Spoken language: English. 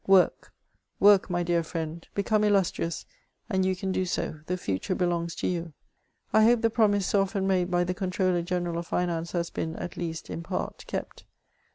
Work — work, my dear friend, become illustrious, and you can do so ; the future belongs to you. I hope the promise so often made by the Comptroller' General of Finance has been, at least in part, kept.